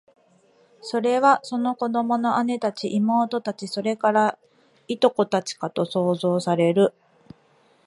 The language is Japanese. それは、その子供の姉たち、妹たち、それから、従姉妹たちかと想像される